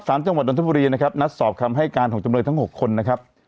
สารจังหวัดนทบุรีนะครับนัดสอบคำให้การของจำเลยทั้ง๖คนนะครับ